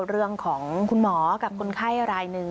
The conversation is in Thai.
เรื่องของคุณหมอกับคนไข้รายหนึ่ง